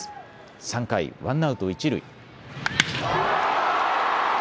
３回、ワンアウト一塁。